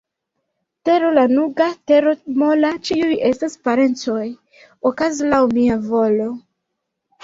Tero lanuga, tero mola, ĉiuj estas parencoj, okazu laŭ mia volo!